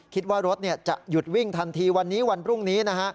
คิดว่ารถจะหยุดวิ่งทันทีวันนี้วันพรุ่งนี้นะฮะ